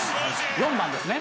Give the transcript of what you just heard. ４番ですね？